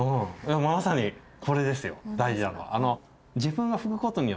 まさにこれですよ大事なのは。